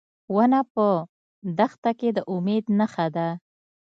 ونه په دښته کې د امید نښه ده.